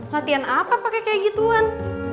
latihan apa pakai kayak gituan